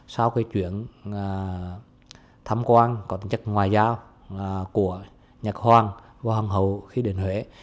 sau cái chuyển thăm quan còn chắc ngoại giao của nhật hoàng và hoàng hậu khi đến huế